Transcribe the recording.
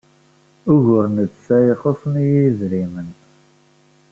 Ugur netta xuṣṣen-iyi yedrimen.